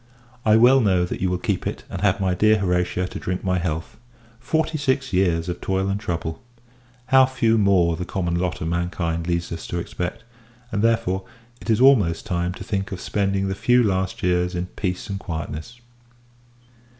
I well know that you will keep it, and have my dear Horatia to drink my health. Forty six years of toil and trouble! How few more, the common lot of mankind leads us to expect; and, therefore, it is almost time to think of spending the few last years in peace and quietness!